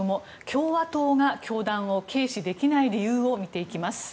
共和党が教団を軽視できない理由を見ていきます。